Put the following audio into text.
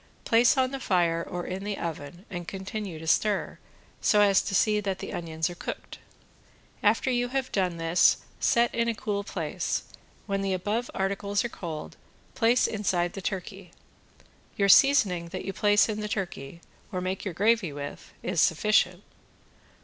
Place on the fire or in the oven and continue to stir, so as to see that the onions are cooked. After you have this done set in a cool place; when the above articles are cold, place inside the turkey. Your seasoning that you place in the turkey, or make your gravy with, is sufficient.